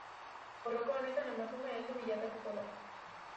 Borroka honetan emakume heldu bilakatuko da.